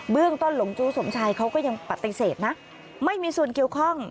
เรื่องต้นหลงจู้สมชัยเขาก็ยังปฏิเสธนะไม่มีส่วนเกี่ยวข้อง